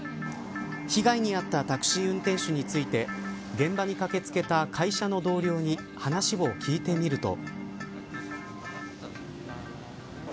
被害に遭ったタクシー運転手について現場に駆けつけた会社の同僚に話を聞いてみると。